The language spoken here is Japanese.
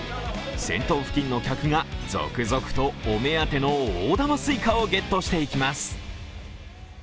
先頭付近の客が続々とお目当ての大玉すいかをゲットしていきます。